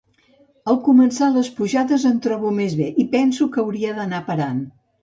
Al començar les pujades em trobo més bé i penso que hauria d'anar parant.